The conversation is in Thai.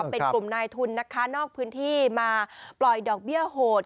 เป็นกลุ่มนายทุนนะคะนอกพื้นที่มาปล่อยดอกเบี้ยโหด